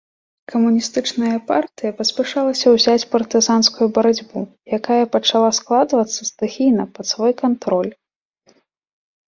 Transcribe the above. Камуністычная партыя паспяшалася ўзяць партызанскую барацьбу, якая пачала складвацца стыхійна, пад свой кантроль.